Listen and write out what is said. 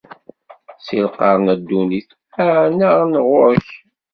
Si lqern n ddunit, ɛennaɣ-n ɣur-k.